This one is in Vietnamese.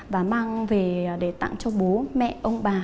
và mang về để tặng cho bố mẹ ông bà